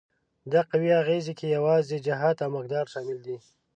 د قوې اغیزې کې یوازې جهت او مقدار شامل دي؟